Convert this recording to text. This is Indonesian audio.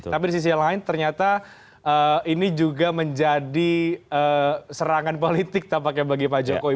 tapi di sisi yang lain ternyata ini juga menjadi serangan politik tampaknya bagi pak jokowi